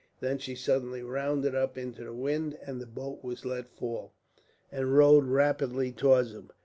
Then she suddenly rounded up into the wind, and the boat was let fall, and rowed rapidly towards him.